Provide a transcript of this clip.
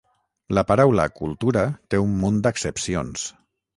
La paraula cultura té un munt d'accepcions.